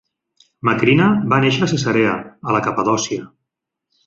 Macrina va néixer a Cesarea, a la Capadòcia.